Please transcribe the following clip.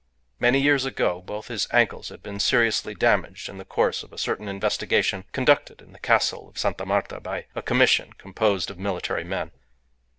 Many years ago both his ankles had been seriously damaged in the course of a certain investigation conducted in the castle of Sta. Marta by a commission composed of military men.